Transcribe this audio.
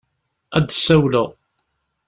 Ad d-sawaleɣ.